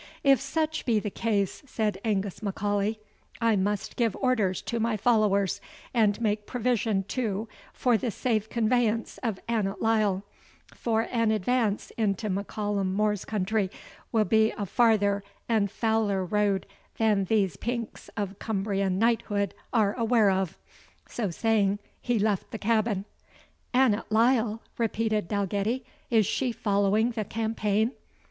"If such be the case," said Angus M'Aulay, "I must give orders to my followers, and make provision too for the safe conveyance of Annot Lyle; for an advance into M'Callum More's country will be a farther and fouler road than these pinks of Cumbrian knighthood are aware of." So saying, he left the cabin. "Annot Lyle!" repeated Dalgetty, "is she following the campaign?"